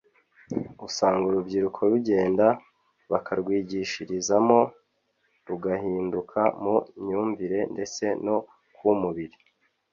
usanga urubyiruko rugenda bakarwigishirizamo rugahinduka mu myumvire ndetse no ku mubiri